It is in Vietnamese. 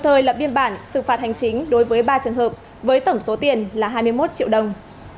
thời lập biên bản xử phạt hành chính đối với ba trường hợp với tổng số tiền là hai mươi một triệu đồng